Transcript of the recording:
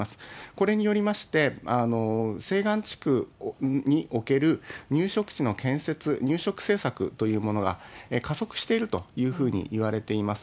これによりまして、西岸地区における入植地の建設、入植政策というものが加速しているというふうにいわれています。